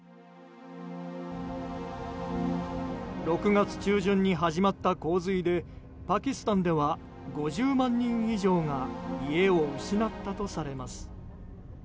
６月中旬に始まった洪水でパキスタンでは５０万人以上が家を失ったとされます。